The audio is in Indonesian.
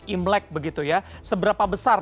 imlek begitu ya seberapa besar